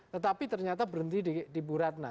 tetapi ternyata berhenti di bu ratna